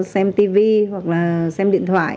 xem tivi hoặc là xem điện thoại